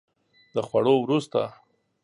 د خوړو وروسته